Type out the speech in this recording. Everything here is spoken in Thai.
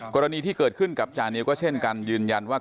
กรณีที่เกิดขึ้นกับจานิวก็เช่นกันยืนยันว่า